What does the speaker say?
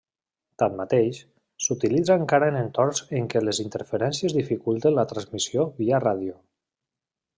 Tanmateix, s'utilitza encara en entorns en què les interferències dificulten la transmissió via ràdio.